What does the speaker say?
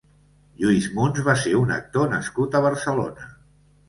Lluís Muns va ser un actor nascut a Barcelona.